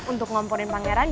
untuk ngomporin pangeran